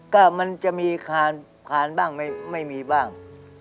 ก็มันจะมีคานบ้างไม่มีบ้าง